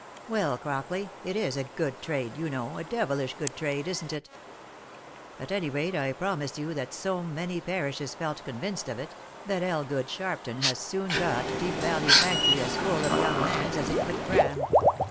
" Well, Crockley, it is a good trade, you know, a devilish good trade, isn't it ? At any rate I promise you that so many parishes felt convinced of it, that Elgood Sharpton had soon got Deep Valley factory as full of young hands as it could cram.